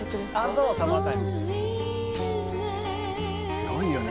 すごいよね